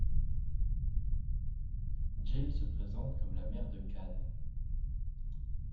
Jill se présente comme la mère de Cane.